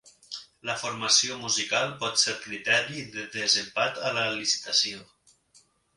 La formació musical pot ser criteri de desempat a la licitació.